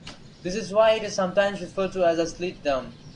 This is why it is sometimes referred to as a slit dum.